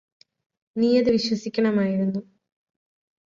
നീയത് വിശ്വസിക്കണമായിരുന്നു